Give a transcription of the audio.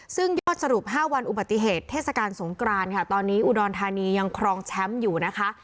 ซึ่งยอดสรุป๕วันอุบัติเหตุเทศกาลสงกรานค่ะตอนนี้อุดรธานียังครองแชมป์อยู่นะคะ